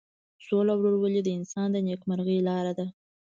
سوله او ورورولي د انسانانو د نیکمرغۍ لاره ده.